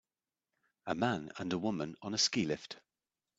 A man and a woman on a ski lift.